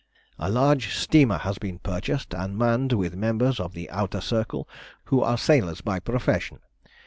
"A large steamer has been purchased and manned with members of the Outer Circle who are sailors by profession.